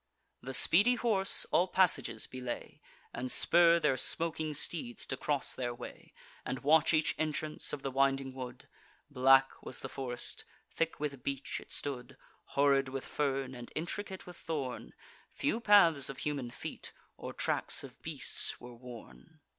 The speedy horse all passages belay, And spur their smoking steeds to cross their way, And watch each entrance of the winding wood. Black was the forest: thick with beech it stood, Horrid with fern, and intricate with thorn; Few paths of human feet, or tracks of beasts, were worn.